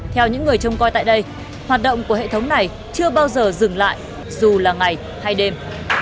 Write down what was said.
theo những người trông coi tại đây hoạt động của hệ thống này chưa bao giờ dừng lại dù là ngày hay đêm